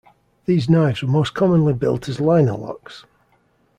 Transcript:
These knives were most commonly built as linerlocks.